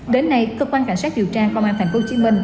đến nay cơ quan cảnh sát điều tra công an tp hcm